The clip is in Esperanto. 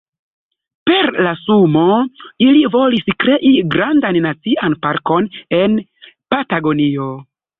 Per la sumo ili volis krei grandan nacian parkon en Patagonio.